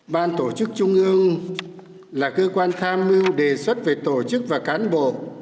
ban tổ chức trung ương là cơ quan tham mưu đề xuất về tổ chức và cán bộ